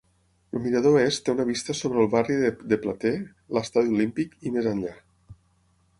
El mirador est té una vista sobre el barri de The Plateau, l'Estadi Olímpic i més enllà.